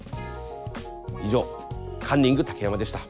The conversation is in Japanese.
以上カンニング竹山でした。